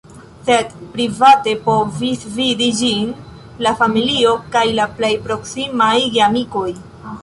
Sed private povis vidi ĝin la familio kaj la plej proksimaj geamikoj.